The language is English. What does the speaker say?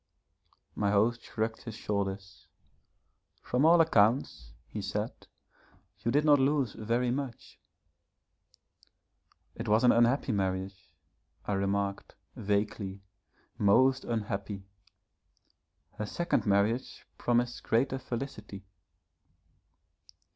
My host shrugged his shoulders. 'From all accounts,' he said, 'you did not lose very much.' 'It was an unhappy marriage,' I remarked, vaguely, 'most unhappy. Her second marriage promised greater felicity.'